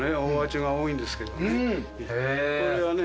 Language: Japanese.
これはね